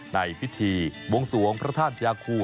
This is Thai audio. ในพิธีบวงสวงพระธาตุยาคู